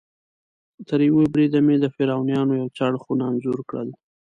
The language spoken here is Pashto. تریوه بریده مې د فرعونیانو یو څه اړخونه انځور کړل.